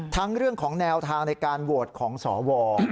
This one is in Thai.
เรื่องของแนวทางในการโหวตของสว